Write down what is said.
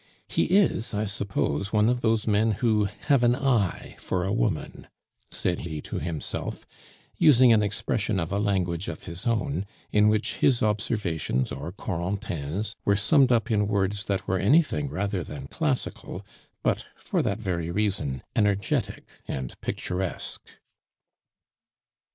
He is, I suppose, one of those men who have an eye for a woman," said he to himself, using an expression of a language of his own, in which his observations, or Corentin's, were summed up in words that were anything rather than classical, but, for that very reason, energetic and picturesque.